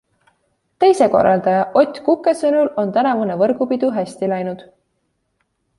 Teise korraldaja Ott Kuke sõnul on tänavune võrgupidu hästi läinud.